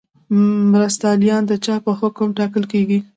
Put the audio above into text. مرستیالان د چا په حکم ټاکل کیږي؟